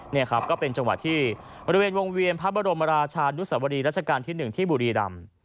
นี่ครับก็เป็นจังหวะที่บริเวณวงเวียนพระบรมราชานุสวรีรัชกาลที่๑ที่บุรีรำ